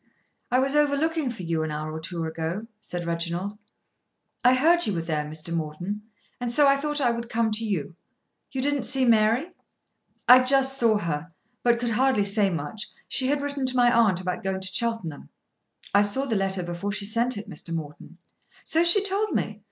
"I was over looking for you an hour or two ago," said Reginald. "I heard you were there, Mr. Morton, and so I thought I would come to you. You didn't see Mary?" "I just saw her, but could hardly say much. She had written to my aunt about going to Cheltenham." "I saw the letter before she sent it, Mr. Morton." "So she told me.